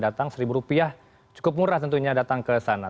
datang seribu rupiah cukup murah tentunya datang kesana